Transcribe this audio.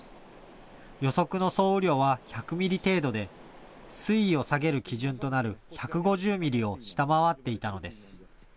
予測の総雨量は１００ミリ程度で水位を下げる基準となる１５０ミリを下回っていたのです。